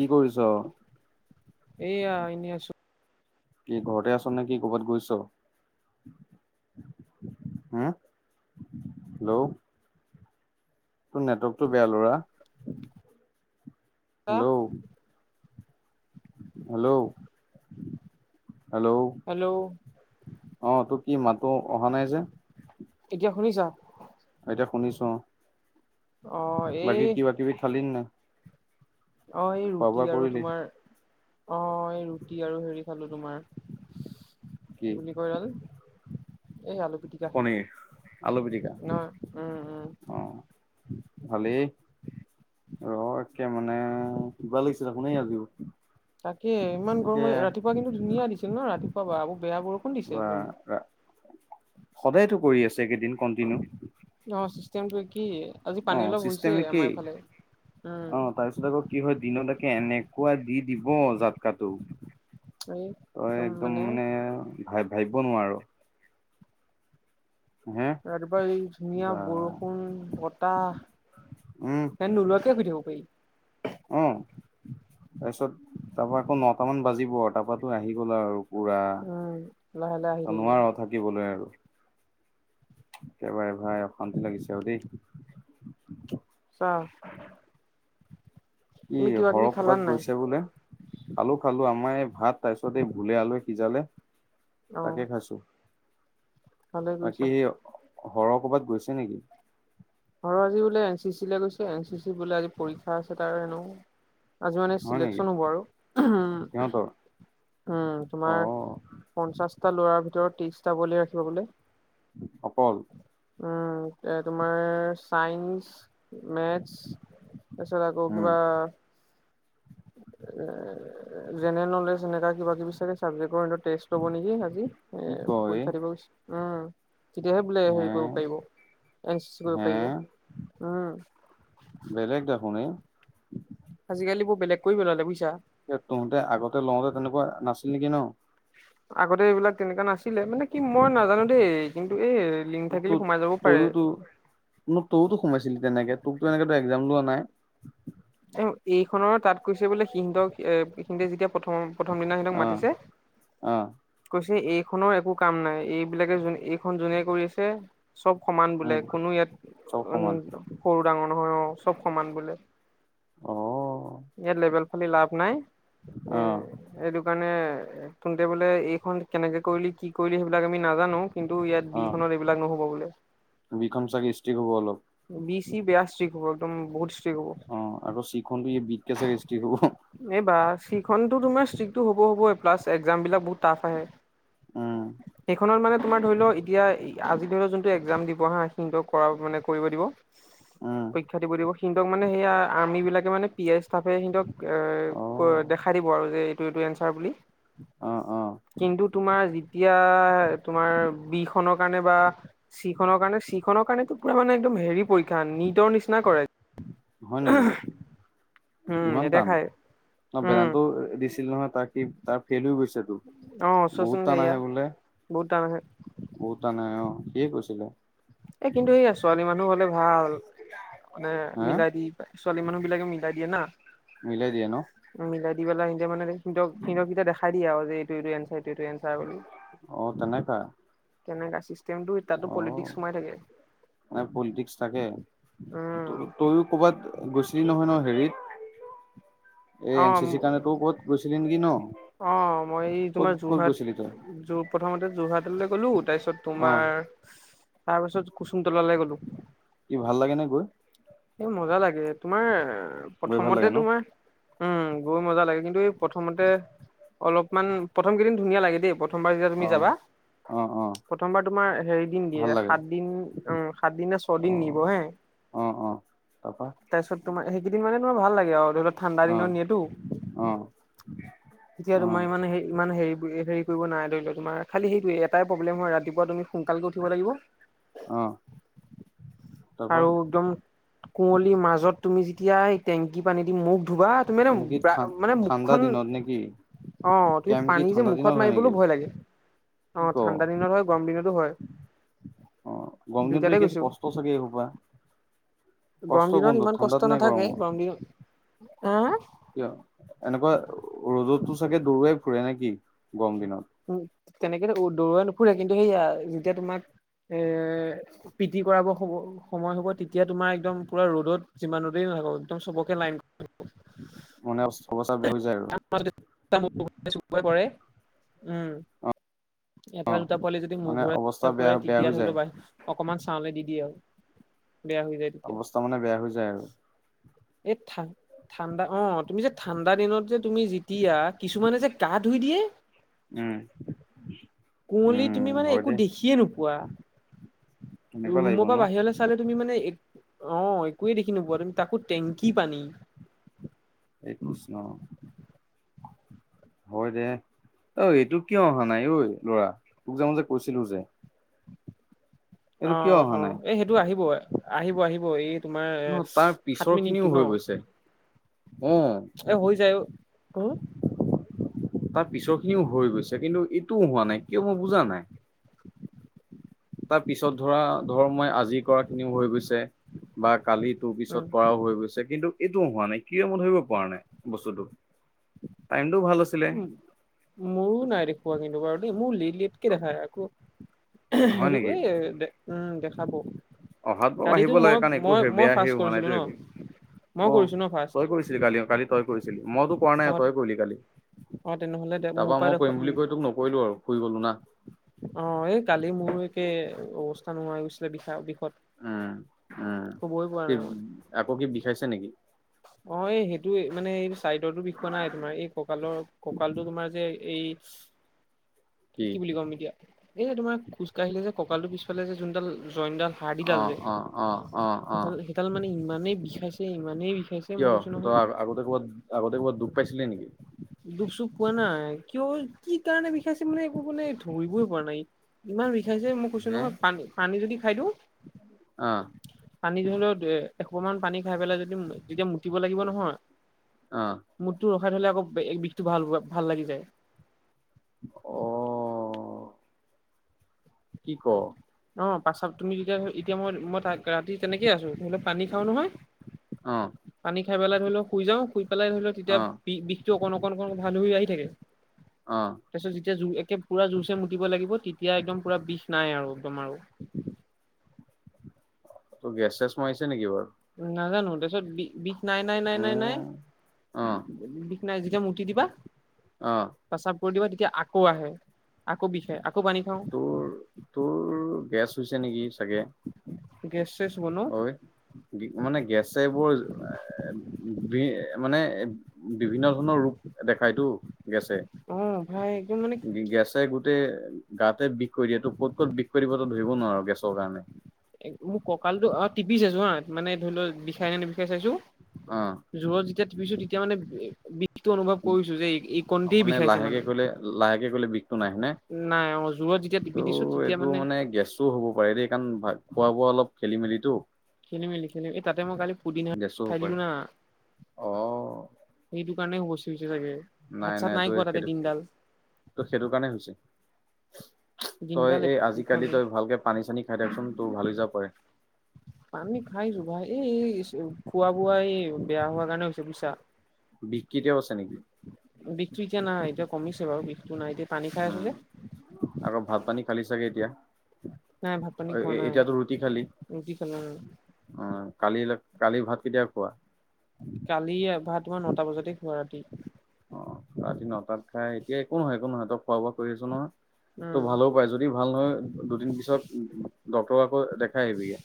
কি কৰিছ? এয়া এনে আছো। কি ঘৰতে আছ নে কি কৰবাত গৈছ। হা হেল্ল'। তোৰ নেটৱৰ্কটো বেয়া ল'ৰা আ, হেল্ল'। হেল্ল'। হেল্ল। হেল্ল' ' অ', তোৰ কি মাতো অহা নাই যে এতিয়া শুনিছা। এতিয়া শুনিছোঁ আও অ এই বাকী কিবা কিবি খালি ন নাই। অ', এই খোৱা ৰুটি বোৱা আৰু কৰিলি? তোমাৰ অ', এই ৰুটি আৰু হেৰি খালো তোমাৰ কি বুলি কয় এই আলু পিটিকা পনীৰ আলু পিটিকা ন উম উম অহ ভালেই ৰ একে মানে কিবা লাগিছিলে শুনি আছো। তাকে ইমান গৰম ৰাতিপুৱা কিন্তু ধুনীয়া দিছিল ন ৰাতিপুৱা বেয়া বোৰ বা সদায়তো কৰি আছে এইকেইদিন কন্টিনউ অ চিষ্টেমটো কি আজি পানী অ', অলপ হৈছে চিষ্টেম কি আমাৰ এইফালে উম অ', তাৰপিছত আকৌ কি হয় দিনো তাকে এনে পুৱা দি দিব জাতকাটো তই একদম মানে ভ ভাবিব নোৱাৰো। হে ৰাতিপুৱা এই ধুনীয়া বা বৰষুণ উম বতাহ ফেন নোলোৱাকে এ [unintelligible] অ', তাৰপিছত তাৰপা আকৌ নটামান বাজিব আৰু তাৰাপো আহি গ'ল আৰু কুৰা উম লাহে লাহে আহি থাকিব নোৱাৰো থাকিবলৈ আৰু একেবাৰে ভাই অশান্তি লাগিছে আৰু দেই অ'হ। ই হৰপপাত নাই গৈছে বোলে খালো খালো আমাৰ ভাত তাৰ পিছত এই ভোলে আলুৱে সিজালে তাকে খাইছো ভালকুম বাকী ছলাম সেই সৰহ কৰবাত গৈছে নেকি? আৰু আজি বোলে এন চি চিৈ গৈছে এন চি চি বোলে আজি পৰীক্ষা আছে তাৰ হেনো আজি মানে হয় নেকি চিলেকচন হ'ব আৰু সিহঁতৰ উম উম অ তোমাৰ পঞ্চাশটা লৰাাৰ ভিতৰত ত্ৰিশটা বলি ৰাখিব বোলে অপল উম এ তোমাৰ চাইন্স মেথছ তাৰছত আকৌ উম কিবা এ জেনেৰেল নলেজ এনেকা কিবা কিবি চাগে চাবজেক্টৰত টেষ্ট লব নেকি আজি এ কি কয় পৰীক্ষা দিব উম তেতিয়াহে বোলে হে হেৰি কৰিব পাৰিব এন চি চি কৰিব হে পাৰিব উম বেলেগ দেখোননে আজিকালি বেলেগ কৰি পেলালে বুজছা তহতে আগতে লওঁতে তেনেকুৱা নাছিল নেকি ন আগতে এইবিলাক তেনেকুৱা নাছিলে মানে কি মই নাজানো দেই কিন্তু এই লিংক ত থাকিলে সোমাই যাব পাৰে। তয়তো মোক তইতোমাইছিলি তেনেকে তোকো এনেকো একজাম লোৱা নাই এ এইখনৰ তাত কৈছে বোলে সিহঁতক এ সিহতে যেতিয়া প্ৰথম প্ৰথম দিনা সিহতক অ মাতিছে অ কৈছে এই এইখনৰ একো কাম নাই এইবিলাকে যোনে এইখন যোনে কৰিছে চব সমান বোলে উম কোনো ইয়াত উ চব সমান সৰু ডাঙৰ নহয় অ চব সমান বোলে অ ইয়াত লেবেল ফালি লাভ নাই এ অ এইটো কাৰণে এ তুতে বোলে এইখন কেনেকে কৰিলি কি কৰিলি সেইবিলাক আমি নাজানো কিন্তু ইয়াত অ বিখনত এইবিলাক নহ'ব বোলে বিখন চাগে ষ্ট্ৰিক হ'ব অলপ বি সি বেয়াষ্টিক হব একদম বহুত ষ্ট্ৰিক হব অ আকৌ চিখনতো ই বিতকে চাগে ষ্ট্ৰিক হ'ব এইবাৰ সিখনতটো তোমাৰ ষ্ট্ৰিকটো হ'ব হব ক্লাছ এক্জাম বিলাক বহুত টাফ আহে উম সেইখনত মানে তোমাৰ ধৰি লও এতিয়া আজি ধৰি লওক যোনটো এক্জাম দিব অহা সিহতক কৰা মানে কৰিব দিব উম পৰীক্ষা দিব দিব সিহঁক মানে সেইয়া আৰ্মিবিলাকে মানে পি এ ষ্টাফে সিহতক অ দেখাই দিব আৰু যে এইটো এনাৰ বুলি অ অ কিন্তু তোমাৰ যেতিয়া তোমাৰ বি খনৰ কাৰণে বা চি খনৰ কাৰণে চি খনৰ কাৰণে ৰা মানে একম হেৰি পীক্ষা নিদৰ নিচিনা কৰাই হয়নিক? উম ইমান টান নেদেখাই ন উম বেদানটো দিছিল নহয় তাক তাৰ ফেইল হৈ গৈছিল বহুত টান আহে বোলে তানে বৌতা নাই অ সিয়ে কৈছিলে এ কিন্তু সয়া ছোৱালী মানুহ হলে ভাল মানে হা মিলাই দি ছোৱালী মানুহ বিলাকে মিলাই দিয়ে না দিয় নো মিলাই দি পেলা স মানেহক সিক দেখ দিয়ে আৰু যে এইটো এনাই অ', তেনোই কা তেনেককা চিষ্টেমটো এতিাতো পলিটিক্স সোমাই থাকে ম পলিটিক্স থাকে ত উম তইও কৰ'বাত গৈছিলি নহয় ন হেৰিত এ অ এন চি চিৰ কাৰণে তোৰ ক'ত গৈছিলি নেকি ন অ', মই এই ক'ত তোমাৰ ক'ত যোৰহাট গৈছিলি তই? প্ৰথমতে যোৰহাটলৈ গ'লো তাৰপিছত অ', তুমাৰ তাৰপিছত কুচুম কি ভাল লাগে নে গৈ স, মজা লাগে, তোমাৰ গৈ ভাল লাগে প্ৰথমতে ন? তোমাৰ উম, গৈ মজা লাগে কিন্তু এই প্ৰথমতে অলপমান প্ৰথম কেইদিন ধুনীয়া লাগে দেই প্ৰথমবাৰ যেতিয়া তুমি অ', যাবা। অ', অ', প্ৰথমবাৰ তোমাৰ হেৰি দিন দিয়ে, ভাল লাগে সাত দিন, অ, সাত দিন ন, ছয়দিন নিব অ', হে। অ', অ'। তাৰপা তাৰপিছত তোমাৰ সেইকেইদিন মানে তোমাৰ ভাল লাগে আৰু ধৰি ল ঠাণ্ডা দিনত অ', নিয়েতো অ', এতিয়া অ', তোমাৰ মানে হ, ইমান হেৰি, হেৰি নাই ধৰি ল, তোমাৰ খাল সেইটো এটাই প্ৰব্লেম হয় ৰাতিপুৱা তুমি সোনকালকে উঠিব লাগিব। অহ। আৰু একদম কুৱলীৰ মাজত তুমি যেতিয়া এই টেংকি পানী দি মখ ধুবা তুমি এনে নেকি থান মানে ঠাণ্ডা মুখখন। দিনত নেকি? অ, তুমি কেম্প কি পানী যে ঠাণ্ডা দিনত মুখত হয় নেকি? মাৰিবলৈও ভয় লাগে। কি অ, ক? ঠাণ্ডা দিনত হয়, গৰম দিনতো হয়। অ, গমজন্ততো দুইটাতে একে আ, গৈছো কষ্ট চাগ হোপা গৰম কষ্ট দিনত বন্ধ ঠাণ্ডাত নাই কৰম মই। অহ। কিয় এনেকুৱা ৰ'দতো চাগে দৌৰুৱাই ফুৰে নে কি গৰম দিনত। উ, তেনেকে দৌৰৱাই নুফুৰে, কিন্তু সেইয়া যেতিয়া তোমাক এ, পিটি কৰাব সময় হ'ব তেতিয়া, তোমাৰ একদম পুৰা ৰ'দত যিমানতে একদম চবকে লাইন মান, অ'। [unintelligible] এটা, দুটা পোৱালি যদি মোৰ মানে অৱস্থা ঘৰত পৰে বেয়া বেয়া তেতিয়া হৈ ধৰি লও যায় ব। অকমান চাওঁলে দি দিয় বেয়া হৈ যায় তেতিয়া অৱস্থা মানে বেয়া হৈ যায় আৰু এই ঠা-ঠাণ্ডা অ, তুমি যে ঠাণ্ডা দিনত যে তুমি যেতিয়া কিছুমানে যে গা ধুই দিয়ে। উম। কুৱলী তুমি উম মানে হয় একো দে দেখিয়ে নোপোৱা তেনেকুৱা লাগিব ৰুমৰ পৰা ন বাহিৰলে চালে তুমি মানে অ, একোৱে দেখি নোপোৱা তুমি তাকো টেংকি পানী হে কৃষ্ণ হয়, দে অ, এইটো কিয় অহা নাই ঐ ল'ৰা তোক যে মই যে কৈছিলো যে অ', এইটো কিয় অ', অহা অ', নাই এই সেইটো আহিব, আহিব, আহিব এই। তোমাৰ ন তাৰ সাত পিছৰ মিনিটটো খিনিও ন? হৈ গৈছে অ এ, হৈ যায়। [inaudible] তাৰ পিছৰ খিনিও হৈ গৈছে কিন্তু এইটোও হোৱা নাই কিয় মই বুজা নাই। তাৰ পিছত ধৰা ধৰ মই আজি কৰা খিনিও হৈ গৈছে বা কালি [unintelligible] পিছত উম কৰাও হৈ গৈছে কিন্তু এইটোও হোৱা নাই কিয় মন ধৰিব পৰা নাই বস্তুটো টাইমটো ভাল আছিলে উ, মোৰো নাই দেখুৱা কিন্তু বাৰু দেই মোৰ [unintelligible] কি দেখায় আকৌ হয় হেৰি নেকি কয় উম, দেখাব। অহাত বাৰু আহিব কালিতো লাগে মই, কাৰণ একো মই, মই বেয়া হেৰি ফাৰ্ষ্ট হোৱা নাইতো কৰিছিলো ন? একো অ মই কৰিছো ন, তই কৰিছিলি কালি অ কালি তই ফাৰ্ষ্ট? কৰিছিলি মইতো কৰা অ নাই তই কৰিলি কালি অ তেনেহলে দে মোৰ তাৰাপা পৰা মই দেখুৱা কৰিম বুলি কৈ তোক নকৰিলো আৰু শুই গলো না অ, এই কালি মোৰো একে অৱস্থা নোহোৱা হৈ গৈছিলে [unintelligible] উম, উম শুবই পৰা নাই মই [unintelligible] আকৌ কি বিষাইছে নেকি? অ, এই সেইটোয়ে মানে এই চাইডৰটো বিষোৱা নাই তোমাৰ এই, কঁকালৰ, কঁকালটো তোমাৰ যে এই কি বুলি ক'ম এতিয়া, এই তোমাৰ খোজ কাঢ়িলে যে কঁকাল টো পিছফালে যে যোনডাল, জইনডাল হাৰ্ডিডাল অ যে অ অ অ অ সেইডাল, সেইডাল মানে ইমানেই বিষাইছে ইমানেই বিষাইছে মই কিয় কৈছো তই নহয় আগতে ক'বাত আগতে ক'বাত দুখ পাইছিলি নেকি? দুখ-চুখ পোৱা নাই। কিয়, কি কাৰণে বিষাইছে মানে। একো মানে ধৰিবই পৰা নাই ইমান মইযে, মই কৈছো হে নহয়। ন পা-পানী যদি খাই দিওঁ। অ' পানী ধৰি লও এসোপামান পানী খাই পেলাই যদি, যেতিয়া মুতিব লাগিব নহয় অ' মুটটো ৰখাই থ'লে আকৌ, বিষটো ভাল ভাল লাগি যায় অ' কি ক? অ' প্ৰাচাৱ তুমি যেতিয়া, এতিয়া মই মই ৰাতি তেনেকেইে আছো, পানী খাওঁ নহয় অ', পানী খাই পেলাই ধৰি লও শুই যাওঁ শুই পানী খাই [inaudible] [inaudible] পেলাই ধৰি লও তেতিয়া অ', বি-বিষটো অকণ অকণ অকণ [unintelligible] আহি থাকে অ', তাৰপিছত যেতিয়া, যো একে পুৰা জোৰছে মুতিব লাগিব, তেতিয়া একদম পুৰা বিষ নাই আৰু একদম আৰু ত গেছ চেছ মাৰিছে নেকি বাৰু? নাজানোঁ, তাৰপিছত বিষ নাই নাই নাই নাই নাই মোৰ অ', বিষ নাই, যেতিয়া মুটি দিবা অ' প্ৰস্ৰাৱ দিবা তেতিয়া আকৌ আহে, আকৌ বিষ আ তোৰ, তোৰ গেছ হৈছে নেকি চাগে গেছ চেছ বনো অই, মানে গেছেবৰ এ, বি মানে বিভিন্ন ধৰণৰ ৰোগ দেখাইটো গেছে, অ ভাই একদম মানে গেছে গোট গোটেই গাতে বিষ কৰি দিয়ে, তোৰ ক'ত ক'ত বিষ কৰি দিব তোৰ ধৰিব নোৱাৰ গেছৰ কাৰণে এ মোৰ কঁকাল টো অ' টিপি চাইছো হা, মানে ধৰি লও বিষাই নে নিবিষাই চাইছো। অ', যোৰত যেতিয়া টিপিছো, তেতিয়া মানে সেইটো অনুভৱ কৰিছো, যে এই কণতে বিষাইছে মানে। নাই নে, নাই অ জোৰত যেতিয়া টিপি দিছো ত'' তেতিয়া এইটো মানে গেছো হ'ব পাৰে দেই কাৰণ ভ খোৱা বোৱা অলপ খেলি মেলি টো। খেলি-মেলি, খেলি-মেলি। এই তাতে মই কালি পুদিনা গেছো হ'ব খাই দিলো পাৰে না, অ' সেইটো সেইটো কাৰণে কইছোঁ। নাই নাই তোৰ সেইটো, তোৰ সেইটো কাৰণে হৈছে। তই দিনডাল এই একো খোৱা আজিকালি নাই। তই ভালকে পানী চানী খাই থাকচোন, তোৰ ভাল হয় যাব পাৰে। পানী খাইছোঁ ভাই। এই এই খোৱা বোৱা এই বেয়া হোৱা কাৰণে হৈছে বুজিছা। বিষ কেতিয়াও আছে নেকি বিষটো এতিয়া নাই, এতিয়া কমিছে বাৰু বিষ। উম্, আকৌ ভাত পানী খালি চাগে এতিয়া। নাই ভাত পানী অ' খোৱা এ নাই এতিয়াতো ৰুটি খালি। ৰুটি খালো অ' কালি, কালি ভাত কেতিয়া খোৱা? কালি এয়া ভাত তোমাৰ নটা বজাতে খোৱা ৰাতি। অ' ৰাতি নটাত খাই এতিয়া একো নহয় একো নহয়, তই খোৱা বোৱা কৰি আছো নহয়। উম তোৰ ভাল হ'বও পাৰে, যদি ভাল নহয় দুদিন পিছত ডক্তৰক আকৌ দেখাই আহিবিগে।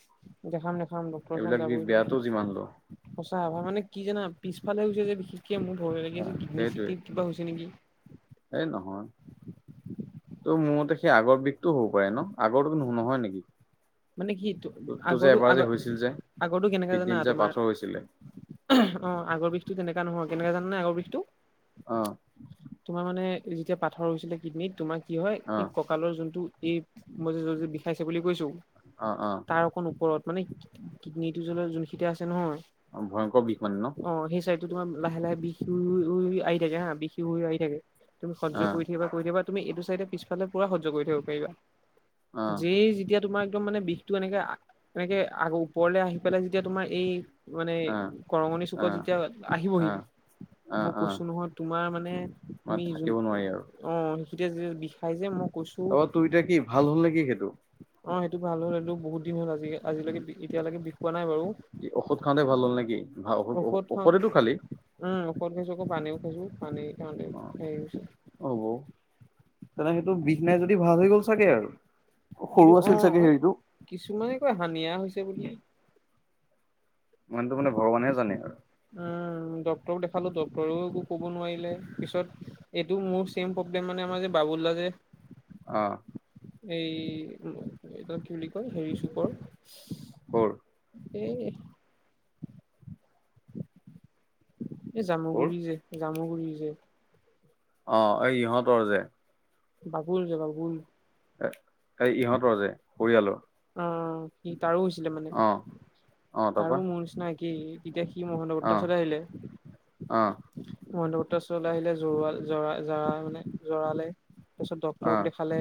দেখাম দেখাম, ডক্টৰৰ এইবিলাক ওচৰলে বিষ যাবই বেয়াটো যিমান হ'লেও লাগিব। সঁচা ভাই মানে কি জানা, পিছফালে হৈছে যে বিশেষকে মোৰ ভয় লাগি আছে। কিডনী সেইটোৱে চিডনীত কিবা হৈছে নেকি? তোৰ মোৰ মতে সেই আগৰ বিষতটো হ'ব পাৰে ন, আগৰটো নহয় নেকি? মানে কিটো? তোৰ যে আগৰটো এবাৰ আগ যে হৈছিল যে আগৰটো কেনেকা জানা কিডনীত যে তোমাৰ পাথৰ হৈছিলে অ', আগৰ বিষতো তেনেকা নহয়। কেনেকা জানানে আগৰ বিষটো, অ তোমাৰ মানে যেতিয়া পাথৰ হৈছিলে কিডনিত তোমাক কি হয়, অ এই কঁকালৰ যোনটো এই মই যে য'ত যে বিষাইছে বুলি কৈছোঁ। অ তাৰ অকণ ওপৰত, মানে কিডনীটো যোনখিনিতে আছে নহয়। ভয়ংকৰ বিষ মানে ন? অ সেই চাইডটো তোমাৰ লাহে লাহে বিষ হৈ হৈ আহি থাকে হা, বিষ হৈ আহি থাকে। তুমি সজ্য অ কৰি থাকিবা, কৰি থাকিবা তুমি এইটো চাইডে পিছফালে পুৰা সহ্য কৰি থাকিব পাৰিবা। অ যেই যেতিয়া তোমাক একদম মানে বিষতটো এনেকে, এনেকে আগ ওপৰলে আহি পেলাই যেতিয়া তোমাৰ এই মানে অ কৰঙণি অ চুকত যেতিয়া আহিবহি। অ অ মই অ কৈছোঁ নহয় তোমাৰ মানে, মানে তুমি থাকিব নোৱাৰি অহ। তেতিয়া যেতিয়া বিষাই যে মোক অহ, তোৰ এতিয়া কি ভাল হ'ল নেকি সেইটো। হ'লেটো বহুত দিন হ'ল আজি আজিলৈ এতিলৈকে ঔষধ খাওঁতে ভাল হ'ল নেকি ভা ঔষধ ঔষধেটো খালি। উম, ঔষধো খোজো, পানীও খোজো পানী। অ হ'ব [unintelligible] তেনে, সেইটো বিদ নাই যদি ভাল হৈ গ'ল চাগে আৰু? সৰু এইটো, আছিল চাগে অ'। হেৰিটো কিছুমানে কয়, হানিয়া হৈছে বুলি। মানতো মানে ভগৱানেহে জানে আৰু? ডক্টৰক দেখালো, ডক্টৰেও একো কব নোৱাৰিলে। পিছত, এইটো মোৰ ছেম প্ৰব্লেম মানে আমাৰ যে বাবু [unintelligible] অহ। এই, এইটো কি বুলি কয় হেৰি চুকৰ কৰ [unintelligible] এই কৰ জামুগুৰি যে? জামুগুৰি যে? অ', এই ইহঁতৰ যে? বাবুল যে, বাবুল? এই ইহঁতৰ যে, পৰিয়ালৰ অ', সি তাৰো হৈছিলে মানে, অ অ তাৰো তাৰপা মোৰ নিচিনা কি তেতিয়া অ অ [unintelligible] [unintelligible] ওচৰলৈ আহিলে জৰা-জৰা মানে জৰালে তাৰপিছত ডক্টৰক অ', দেখালে,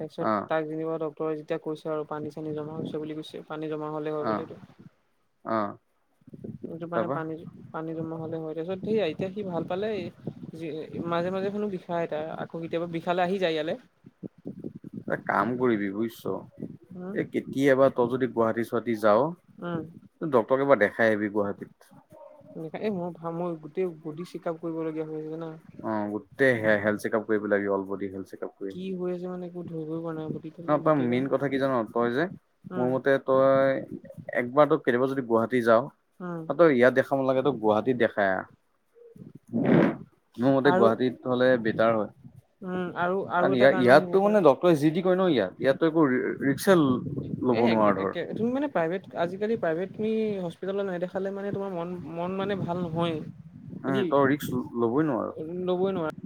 তাৰপিছত অ', তাক যেনিবা ডক্টৰে যেতিয়া কৈছে আৰু পানী চানী জমা হৈছে বুলি কৈছে, পানী জমা হ'লে হয় অ', বোলে এইটো। অ', সেইটো মানে তাৰপা পানী-পানী জমা হলে হয়, তাৰ পিছত সেয়া এতিয়া সি ভাল পালেই। মাজে মাজে শুনো বিষাই তাৰ, আকৌ কেতিয়াবা বিষালে আহি যায় ইয়ালে। এটা কাম কৰিবি বুজিছ, উম এই কেতিয়াবা তই যদি গুৱাহাটী ছোৱাহাটী যাও, উম ডক্টৰক এবাৰ দেখাই আহিবি গুৱাহাটীত। এ-এ মই ভা মই গোটেই বডি চেক আপ কৰিবলগীয়া হৈ আছে জানা? অ', গোটেই হেল্থ চেক আপ কৰিব লাগিব, all body health check up কি হৈ আছে মানে, একো ধৰিবই পৰা নাই বডিটো [unintelligible] গোটেই ‌ মেইন কাৰণে কথা কি জান' তই যে উম মোৰ মতে তই একবাৰ তো কেতিয়াবা যদি গুৱাহাটী যাৱ, উম ত' ইয়াত দেখাব নালাগে তই গুৱাহাটীত দেখাই আহ। মোৰ মতে আৰু গুৱাহাটীত হলে বেটাৰ হয়। উম আৰু আৰু এটা কাৰণেও ইয়াত-ইয়াতটো হ'ব মানে পাৰে। ডক্টৰে যি টি কয় নহ ইয়াত, ইয়াতো একো ল'ব এ নোৱাৰা ধৰ। একে তুমি মানে প্ৰাইভেট আজিকালি প্ৰাইভেট, তুমি হস্পিটালত নেদেখালে মানে তোমাৰ মন মন মানে ভাল নহয়ৱে, বাকী উম, তই ৰিক্স ল'বই নোৱাৰ ল'বই নোৱাৰে।